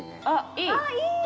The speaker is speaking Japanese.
あっいい！